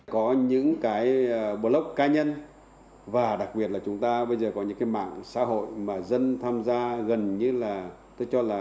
có những cái block cá nhân và đặc biệt là chúng ta bây giờ có những cái mạng xã hội mà dân tham gia gần như là tôi cho là